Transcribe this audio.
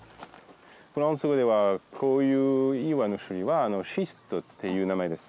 フランス語ではこういう岩の種類はシストっていう名前です。